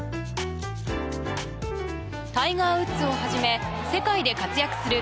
タイガー・ウッズをはじめ世界で活躍する